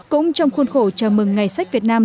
cũng trong khuôn khổ chào mừng ngày sách việt nam